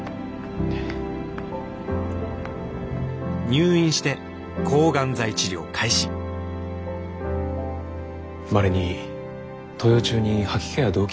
入院して抗がん剤治療開始まれに投与中に吐き気や動悸がする方がいます。